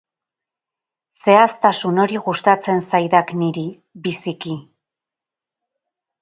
Zehaztasun hori gustatzen zaidak niri, biziki.